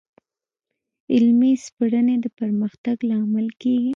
علمي سپړنې د پرمختګ لامل کېږي.